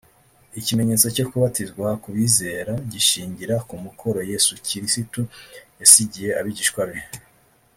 Ikimenyetso cyo kubatizwa ku bizera gishingira ku mukoro Yesu Kirisitu yasigiye abigishwa be